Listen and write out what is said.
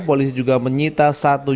polisi juga menyita satu